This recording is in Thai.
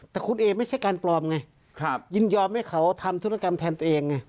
แต่คุณเอไม่ใช่การปลอมไงยินยอมให้เขาทำธุรกรรมแทนตัวเองไง